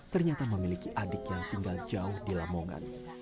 ternyata memiliki adik yang tinggal jauh di lamongan